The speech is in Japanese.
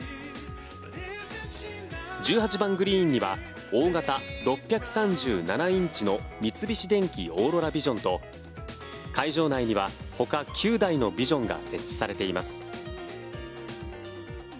１８番グリーンには大型６３７インチの三菱電機オーロラビジョンと会場内にはほか９台のビジョンが設置されています。